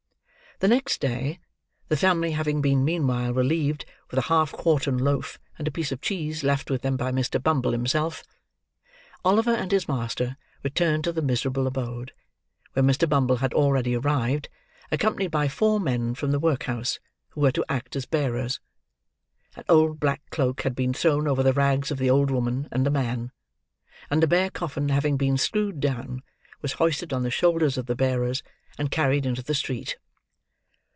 The next day, (the family having been meanwhile relieved with a half quartern loaf and a piece of cheese, left with them by Mr. Bumble himself,) Oliver and his master returned to the miserable abode; where Mr. Bumble had already arrived, accompanied by four men from the workhouse, who were to act as bearers. An old black cloak had been thrown over the rags of the old woman and the man; and the bare coffin having been screwed down, was hoisted on the shoulders of the bearers, and carried into the street.